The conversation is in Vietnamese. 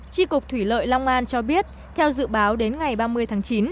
tri cục thủy lợi long an cho biết theo dự báo đến ngày ba mươi tháng chín